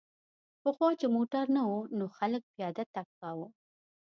پخوا چې موټر نه و نو خلک پیاده تګ کاوه